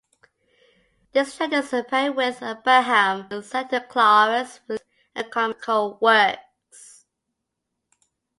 This trend is apparent with Abraham a Sancta Clara's religious and comical works.